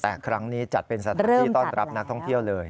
แต่ครั้งนี้จัดเป็นสถานที่ต้อนรับนักท่องเที่ยวเลย